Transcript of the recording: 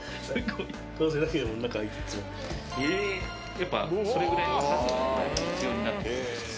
やっぱそれぐらいの数必要になってくるんですか？